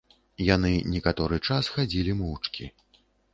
Яны некаторы час хадзілі моўчкі.